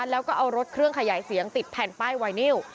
แล้วก็เอารถเครื่องขยายเสียงติดแผ่นป้ายไวนิว